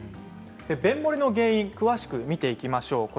便もれの原因を詳しく見ていきましょう。